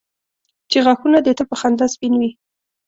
چې غاښونه دي تل په خندا سپین وي.